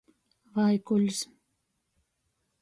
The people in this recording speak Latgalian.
Vaikuļs.